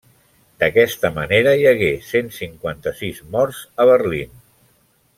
D'aquesta manera, hi hagué cent cinquanta-sis morts a Berlín.